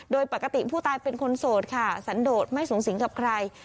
โดยปกติผู้ตายเป็นคนโสดค่ะสันโดดไม่สูงสิงกับใคร